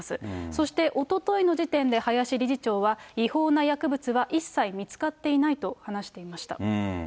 そしておとといの時点で、林理事長は違法な薬物は一切見つかっていないと話していました。